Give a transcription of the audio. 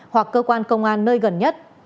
hoặc cơ quan công an nơi gần nhất